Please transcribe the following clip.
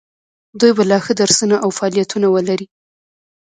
دوی به لا ښه درسونه او فعالیتونه ولري.